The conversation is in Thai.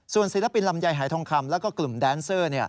ส่วนศิลปินลำไยหายทองคำแล้วก็กลุ่มแดนเซอร์